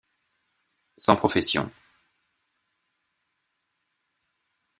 Sans profession.